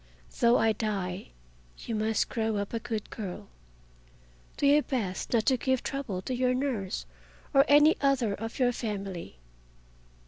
Though I die, you must grow up a good girl. Do your best not to give trouble to your nurse or any other of your family.